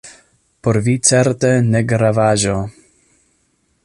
Por vi certe negravaĵo!